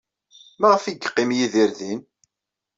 Maɣef ay yeqqim Yidir din?